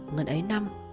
ngần ấy năm